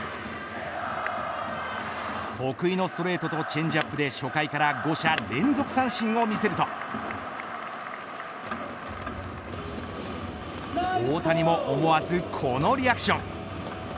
得意のストレートとチェンジアップで、初回から５者連続三振を見せると大谷も思わずこのリアクション。